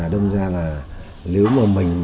đông ra là nếu mà mình